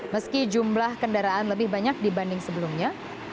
meski jumlah kendaraan lebih banyak dibanding sebelumnya